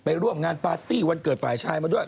ร่วมงานปาร์ตี้วันเกิดฝ่ายชายมาด้วย